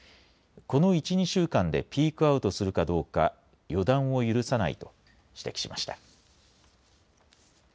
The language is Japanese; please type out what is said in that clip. この１、２週間でピークアウトするかどうか予断を許さないと指摘しました。